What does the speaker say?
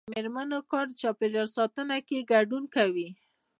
د میرمنو کار د چاپیریال ساتنه کې ګډون کوي.